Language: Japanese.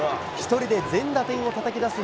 １人で全打点をたたき出す